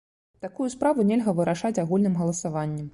Такую справу нельга вырашаць агульным галасаваннем.